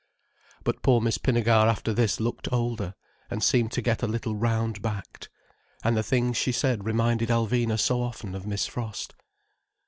But poor Miss Pinnegar after this looked older, and seemed to get a little round backed. And the things she said reminded Alvina so often of Miss Frost.